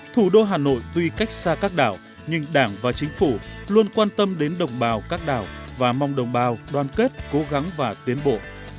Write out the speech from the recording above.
thủ đô hà nội tuy cách xa các đảo nhưng đảng và chính phủ luôn quan tâm đến đồng bào các đảo và mong đồng bào đoàn kết cố gắng và tiến bộ